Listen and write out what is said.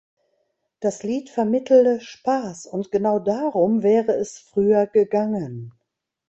Das Lied vermittele Spaß und genau darum wäre es früher gegangen.